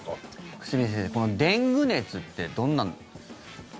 久住先生このデング熱ってどんなのか。